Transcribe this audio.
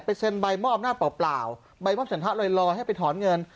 ไปเซ็นใบมอบหน้าเปล่าเปล่าใบมอบสัญลักษณะรอยรอให้ไปถอนเงิน